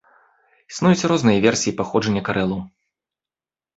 Існуюць розныя версіі паходжання карэлаў.